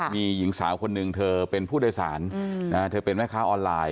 มีหญิงสาวคนหนึ่งเธอเป็นผู้โดยสารเธอเป็นแม่ค้าออนไลน์